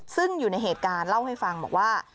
ซึ่งอยู่ในเหตุการณ์เล่าให้ฟังบอกว่า